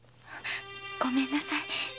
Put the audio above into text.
ごめんなさい。